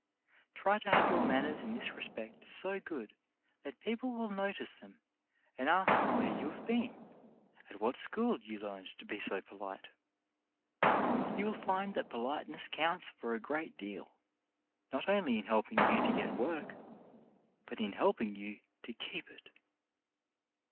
Try to have your manners in this respect so good that people will notice them and ask where you have been, at what school you learned to be so polite. You will find that polite ness counts for a great deal, not only in helping you to get work, but in helping you to keep it.